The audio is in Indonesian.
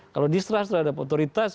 kalau distrust terhadap otoritas